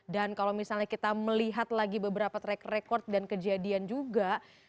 dan kalau misalnya kita melihat lagi beberapa track record dan kejadian juga